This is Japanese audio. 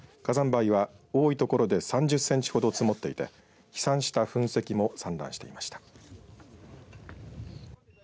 灰は多い所で３０センチほど積もっていて飛散した噴石も散乱していました。